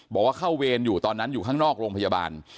บอกว่าเข้าเวรอยู่ตอนนั้นอยู่ข้างนอกโรงพยาบาล